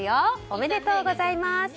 おめでとうございます。